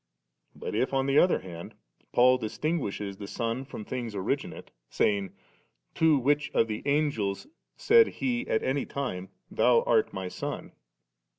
But if on the other hand Paul distinguishes the Son from things origin ate, saying, * To which of the Angels said He at any time. Thou art My Son